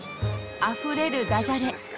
溢れるダジャレ。